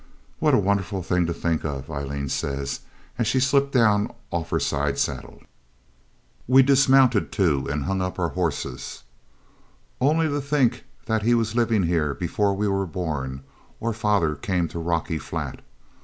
'What a wonderful thing to think of!' Aileen says, as she slipped down off her side saddle. We dismounted, too, and hung up our horses. 'Only to think that he was living here before we were born, or father came to Rocky Flat.